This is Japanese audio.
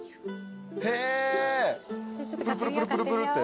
へぇプルプルプルプルプルって。